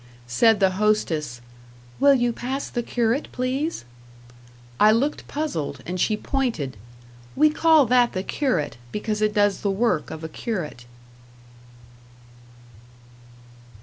Said the hostess, "Will you pass the curate, please?" I looked puzzled, and she pointed. "We call that the curate, because it does the work of a curate."